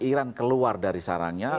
iran keluar dari sarangnya